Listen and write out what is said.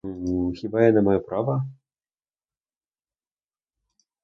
Хіба не маю права?